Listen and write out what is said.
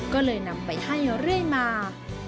ก็เลยนำไปให้เรื่อยมา